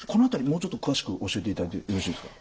もうちょっと詳しく教えていただいてよろしいですか？